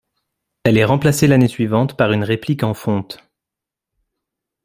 Elle est remplacée l'année suivante par une réplique en fonte.